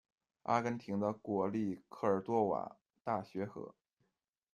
阿根廷的国立科尔多瓦大学和。